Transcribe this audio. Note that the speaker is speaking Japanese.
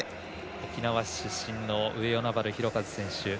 沖縄出身の上与那原寛和選手。